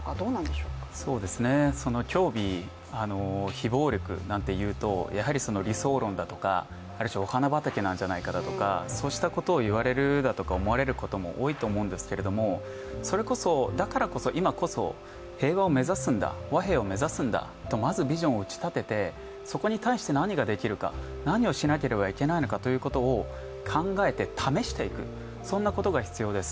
きょうび、非暴力だなんていうとやはり理想論であるとかある種お花畑なんじゃないかということを言われることが多いと思われることも多いと思うんですが、それこそ、だからこそ今こそ平和を目指すんだ、和平を目指すんだというビジョンを打ち立ててそこに対して何ができるか、何をしなければいけないのかを考えて試していく、そんなことが必要です。